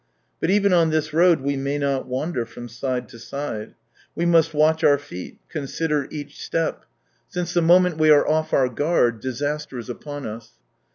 But even on this road we may not Wander from side to side. We must watch our feet, consider each step, since the S3 moEdent we are off our guard disaster is upon us.